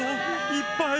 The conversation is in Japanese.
いっぱい。